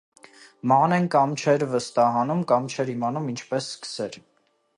Մանեն կամ չէր վստահանում, կամ չէր իմանում ինչպես սկսեր: